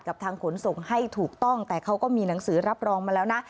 ทางขนส่งให้ถูกต้องแต่เขาก็มีหนังสือรับรองมาแล้วนะ